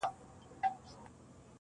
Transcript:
قاضي صاحبه ملامت نه یم بچي وږي وه,